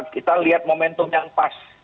kita lihat momentum yang pas